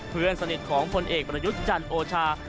เพื่อนสนิทของพลเอกประยุทธ์จันทร์โอชา